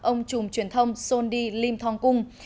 ông trùm truyền thông sondi lim thongkung